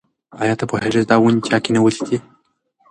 ایا ته پوهېږې چې دا ونې چا کینولي دي؟